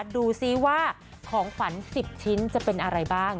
ดูซิว่าของขวัญ๑๐ชิ้นจะเป็นอะไรบ้าง